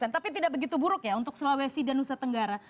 tapi tidak begitu buruk ya untuk sulawesi dan nusa tenggara